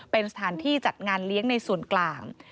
เป็นสถานที่จัดงานเลี้ยงในส่วนกลาง